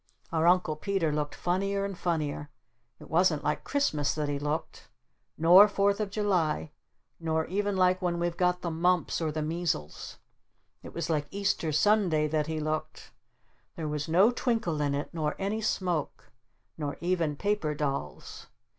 Our Uncle Peter looked funnier and funnier. It wasn't like Christmas that he looked. Nor Fourth of July. Nor even like when we've got the mumps or the measles. It was like Easter Sunday that he looked! There was no twinkle in it. Nor any smoke. Nor even paper dolls.